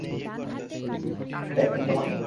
কে পালবে এখন তোমাকে?